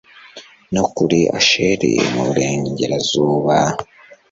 no kuri asheri mu burengerazuba